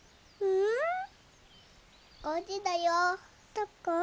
どこ？